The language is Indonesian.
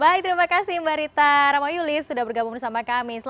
baik terima kasih mbak rita ramayulis sudah bergabung bersama kami